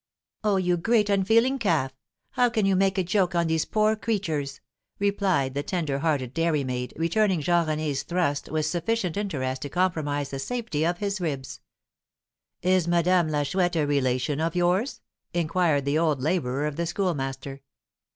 "Oh, you great unfeeling calf! How can you make a joke on these poor creatures?" replied the tender hearted dairy maid, returning Jean René's thrust with sufficient interest to compromise the safety of his ribs. "Is Madame la Chouette a relation of yours?" inquired the old labourer of the Schoolmaster.